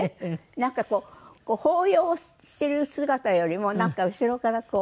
なんかこう抱擁している姿よりも後ろからこう。